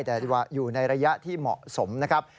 แต่อยู่ในระยะที่เหมาะสมนะครับ